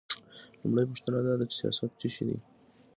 لومړۍ پوښتنه دا ده چې سیاست څه شی دی؟